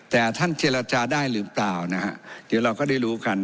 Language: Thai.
แต่ท่านเจรจาได้หรือเปล่านะฮะเดี๋ยวเราก็ได้รู้กัน